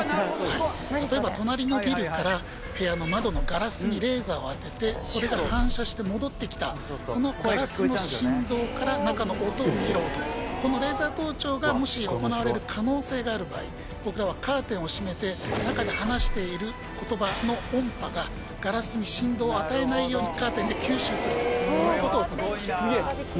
例えば隣のビルから部屋の窓のガラスにレーザーを当ててそれが反射して戻ってきたそのガラスの振動から中の音を拾うとこのレーザー盗聴がもし行われる可能性がある場合僕らはカーテンを閉めて中で話している言葉の音波がガラスに振動を与えないようにカーテンで吸収するということを行います